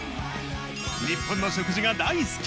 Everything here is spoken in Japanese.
日本の食事が大好き。